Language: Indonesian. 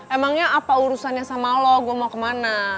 emangnya apa urusannya sama lo gue mau kemana